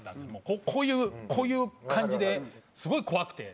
こういうこういう感じですごい怖くて。